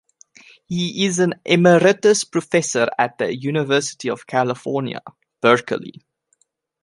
He is an emeritus professor at the University of California, Berkeley.